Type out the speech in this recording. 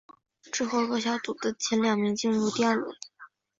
之后各小组的前两名进入第二轮。